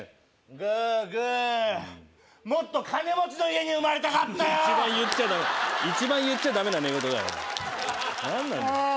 グーグーもっと金持ちの家に生まれたかったよ一番言っちゃダメ一番言っちゃダメな寝言だよお前何なんだああ